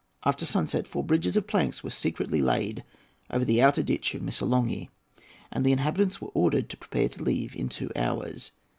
After sunset four bridges of planks were secretly laid over the outer ditch of Missolonghi, and the inhabitants were ordered to prepare to leave in two hours.